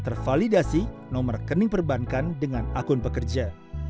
tervalidasi nomor rekening perbankan dengan akun pekerja